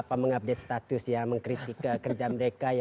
karena mengupdate status ya mengkritik kerja mereka